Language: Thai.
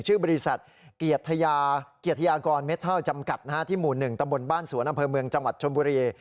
ชื่อบริษัทเกียรติยากรเมเทิลจำกัดที่หมู่๑ตำบลบ้านสวนอำเภอเมืองจังหวัดชนบุรี